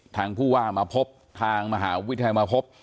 ทางผู้ว่ามาพบทางมหาวิทยาลัยมาพบ